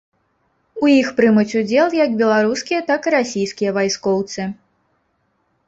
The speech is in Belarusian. У іх прымуць удзел як беларускія, так і расійскія вайскоўцы.